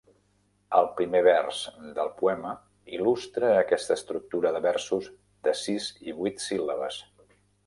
El primer vers del poema il·lustra aquesta estructura de versos de sis i vuit síl·labes.